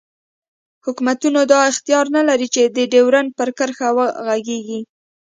حوکمتونه دا اختیار نه لری چی د ډیورنډ پر کرښه وغږیږی